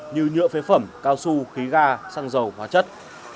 như nhựa phế phẩm cao su khí ga xăng dầu hóa chất